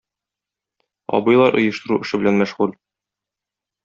Абыйлар оештыру эше белән мәшгуль.